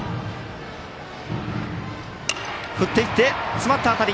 詰まった当たり。